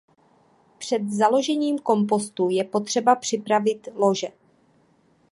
Před založením kompostu je potřeba připravit lože.